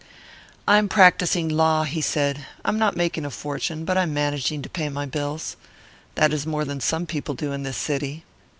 "I am practising law," he said. "I'm not making a fortune, but I'm managing to pay my bills. That is more than some other people do in this city."